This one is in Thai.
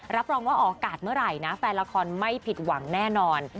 รับรองว่าออกอากาศเมื่อไหร่นะแฟนละครไม่ผิดหวังแน่นอน